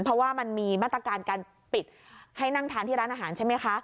เพราะว่ามันมีมาตรการการปิดให้นั่งทานที่ร้านอาหารใช่ไหมคะ